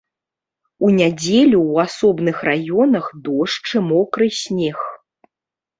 У нядзелю ў асобных раёнах дождж і мокры снег.